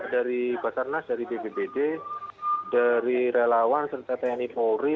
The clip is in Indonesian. dari basarnas dari bpbd dari relawan serta tni polri